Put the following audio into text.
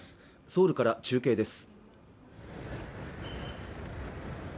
ソウルから中継です